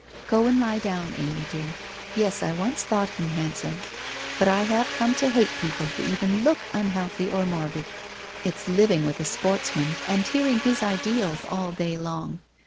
' Go and lie down, Amy, dear. Yes, I once thought him handsome. But I have come to hate people who even look unhealthy or morbid. It's living with a sportsman and hearing his ideals all day long.